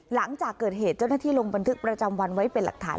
หลังจากเกิดเหตุเจ้าหน้าที่ลงบันทึกประจำวันไว้เป็นหลักฐาน